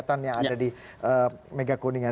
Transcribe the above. dan kegiatan yang ada di mega kuningan